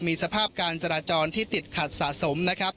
มีสภาพการจราจรที่ติดขัดสะสมนะครับ